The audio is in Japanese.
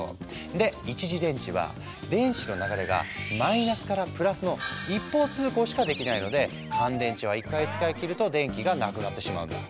で一次電池は電子の流れがマイナスからプラスの一方通行しかできないので乾電池は一回使い切ると電気がなくなってしまうんだ。